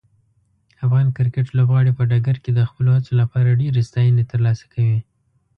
افغان کرکټ لوبغاړي په ډګر کې د خپلو هڅو لپاره ډیرې ستاینې ترلاسه کوي.